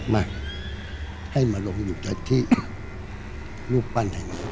ไม่ให้มาลงอยู่ในที่ลูกวันให้มี